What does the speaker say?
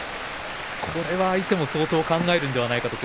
これは相手も相当、考えるのではないかと。